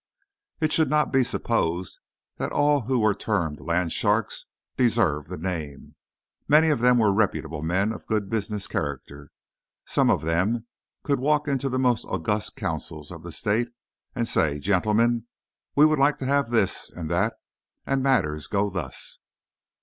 It should not be supposed that all who were termed "land sharks" deserved the name. Many of them were reputable men of good business character. Some of them could walk into the most august councils of the State and say: "Gentlemen, we would like to have this, and that, and matters go thus."